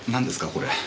これ。